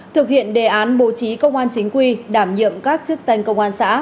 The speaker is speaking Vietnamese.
thực hiện đề án bố trí công an chính quy đảm nhiệm các chức danh công an xã